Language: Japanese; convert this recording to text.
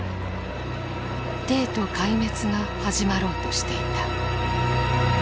帝都壊滅が始まろうとしていた。